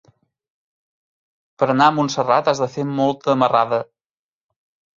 Per anar a Montserrat has de fer molta marrada.